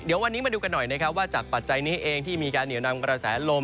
เดี๋ยววันนี้มาดูกันหน่อยนะครับว่าจากปัจจัยนี้เองที่มีการเหนียวนำกระแสลม